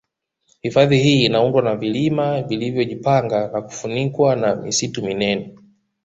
Hifadhi hii inaundwa na vilima vilivyojipanga na kufunikwa na misitu minene